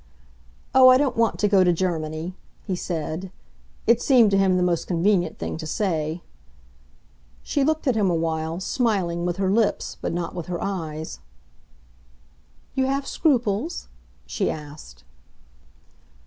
"Oh, I don't want to go to Germany," he said; it seemed to him the most convenient thing to say. She looked at him a while, smiling with her lips, but not with her eyes. "You have scruples?" she asked.